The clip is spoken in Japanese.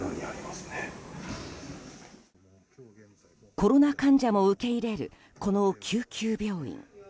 コロナ患者も受け入れるこの救急病院。